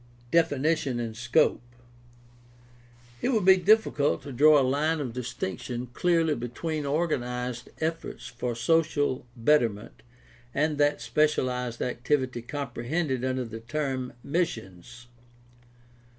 DEFINITION AND SCOPE It would be difficult to draw a line of distinction clearly between organized efforts for social betterment and that specialized activity comprehended under the term "missions."